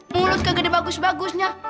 mulut kegede bagus bagusnya